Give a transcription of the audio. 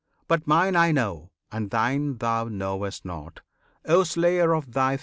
But mine I know, and thine thou knowest not, O Slayer of thy Foes!